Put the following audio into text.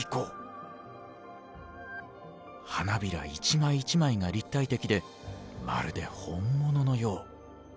花びら一枚一枚が立体的でまるで本物のよう。